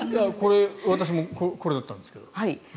私もこれだったんですけど。